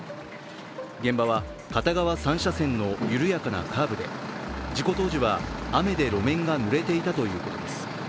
現場は片側３車線の緩やかなカーブで、事故当時は、雨で路面がぬれていたということです。